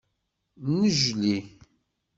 Nnejli.